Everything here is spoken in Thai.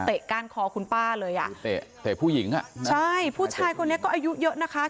ก้านคอคุณป้าเลยอ่ะเตะเตะผู้หญิงอ่ะใช่ผู้ชายคนนี้ก็อายุเยอะนะคะ